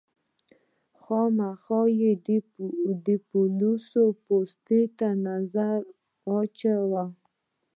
مخامخ يې د پوليسو پوستې ته نظر واچوه.